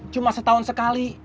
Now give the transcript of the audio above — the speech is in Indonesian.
cuma setahun sekali